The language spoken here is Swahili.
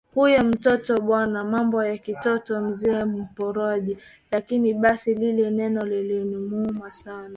huyu mtoto Bwana mambo ya kitoto mzee mropokaji lakini basi lile neno linaniuma sana